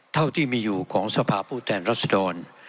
เท่าที่มีอยู่ของสภาพผู้แทนรัศดร